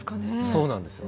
そうなんですよ。